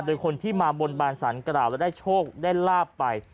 โดยคนที่มาบนบานสารกล่าวแล้วได้โชคได้ลาบไป